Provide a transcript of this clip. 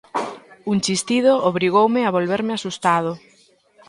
Un chistido obrigoume a volverme asustado.